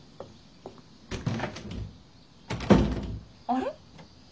あれ？